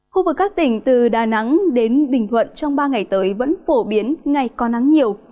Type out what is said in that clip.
khu vực các tỉnh từ đà nẵng đến bình thuận trong ba ngày tới vẫn phổ biến ngày có nắng nhiều